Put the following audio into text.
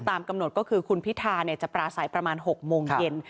ตามกำหนดก็คือคุณพิธาจะปราศัยประมาณ๖โมงเย็น